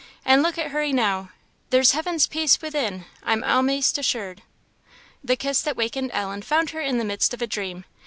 An' look at her eenow. There's heaven's peace within, I'm a'maist assured." The kiss that wakened Ellen found her in the midst of a dream.